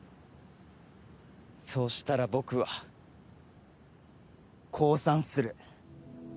そうしたら僕は降参する。